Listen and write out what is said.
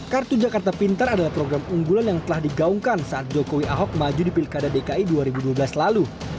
kartu jakarta pintar adalah program unggulan yang telah digaungkan saat jokowi ahok maju di pilkada dki dua ribu dua belas lalu